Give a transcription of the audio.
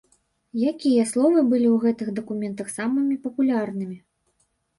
Якія словы былі ў гэтых дакументах самымі папулярнымі?